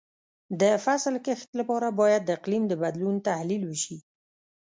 د فصل کښت لپاره باید د اقلیم د بدلون تحلیل وشي.